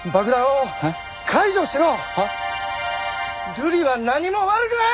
ルリは何も悪くない！